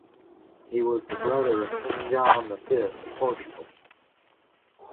He was the brother of King John the Fifth of Portugal.